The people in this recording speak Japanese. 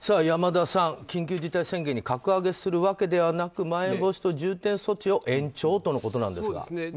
山田さん、緊急事態宣言に格上げするわけではなくまん延防止等重点措置を延長とのことなんですが。